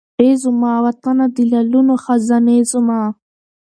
اې زما وطنه د لالونو خزانې زما